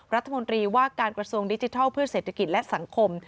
รัฐมนตรีว่าการกระทรวงดิจิทัลเพื่อเศรษฐกิจและสังคม